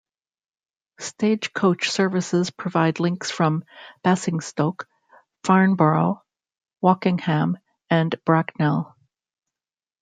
Stagecoach services provide links from Basingstoke, Farnborough, Wokingham and Bracknell.